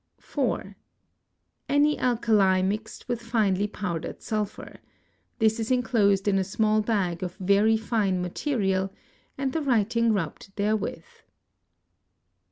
* 4. Any alkali mixed with finely powdered sulphur: this is enclosed in a small bag of very fine material, and the writing rubbed therewith.